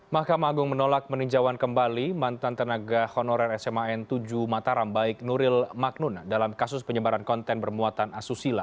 mahkamah agung menolak peninjauan kembali mantan tenaga honorer sma n tujuh mataram baik nuril magnuna dalam kasus penyebaran konten bermuatan asusila